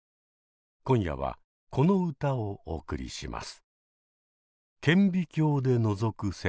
今夜はこの歌をお送りします。